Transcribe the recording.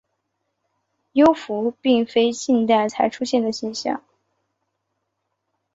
幽浮并非近代才出现的现象。